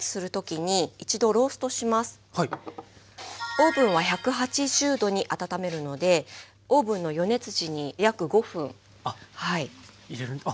オーブンは１８０℃に温めるのでオーブンの予熱時に約５分入れます。